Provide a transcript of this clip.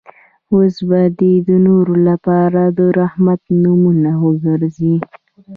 اوس به دی د نورو لپاره د رحمت نمونه وګرځي.